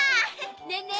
ねえねえ